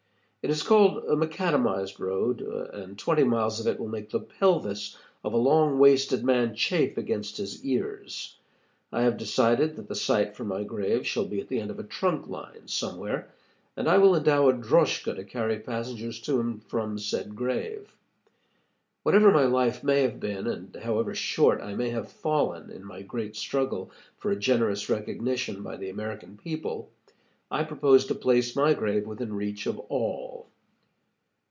It is called a macadamized road, and twenty miles of it will make the pelvis of a long waisted man chafe against his ears. I have decided that the site for my grave shall be at the end of a trunk line somewhere, and I will endow a droska to carry passengers to and from said grave. Whatever my life may have been, and however short I may have fallen in my great struggle for a generous recognition by the American people, I propose to place my grave within reach of all.